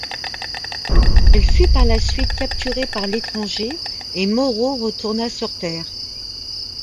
Elle fut par la suite capturée par l'Etranger, et Morrow retourna sur Terre.